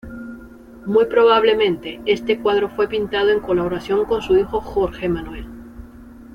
Muy probablemente, este cuadro fue pintado en colaboración con su hijo Jorge Manuel.